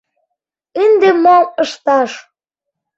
Ынде мом ышташ?